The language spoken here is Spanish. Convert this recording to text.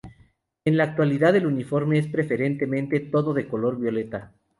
En la actualidad el uniforme es preferentemente todo de color violeta.